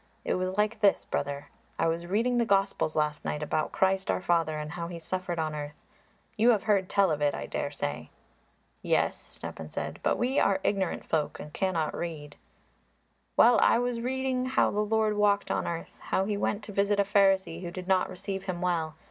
It was like this, brother; I was reading the Gospels last night about Christ our Father and how He suffered on earth. You have heard tell of it, I daresay." "Yes," Stepan said, "but we are ignorant folk and cannot read." "Well, I was reading how the Lord walked on earth, how He went to visit a Pharisee who did not receive Him well.